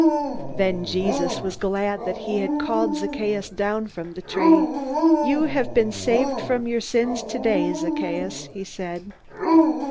Then Jesus was glad that he had called Zacchaeus down from the tree. "You have been saved from your sins today, Zacchaeus," he said.